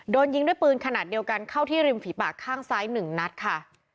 โดนยิงด้วยปืนขนาดเดียวกันเข้าที่ริมฝีปากข้างซ้าย๑นัดค่ะ